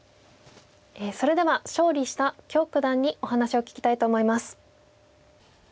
それでは勝利した許九段にお話を聞きたいと思います。